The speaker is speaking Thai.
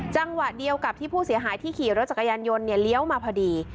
จังหวะเดียวกับที่ผู้เสียหายที่ขี่รถจักรยานยนต์เลี้ยวมาพอดี